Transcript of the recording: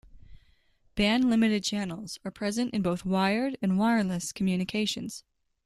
Bandlimited channels are present in both wired and wireless communications.